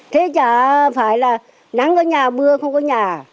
thế chả phải là nắng ở nhà mưa không ở nhà